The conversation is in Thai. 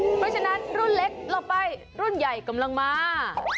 เพราะฉะนั้นรุ่นเล็กเราไปรุ่นใหญ่กำลังมา